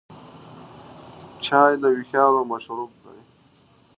چای د هوښیارو مشروب دی.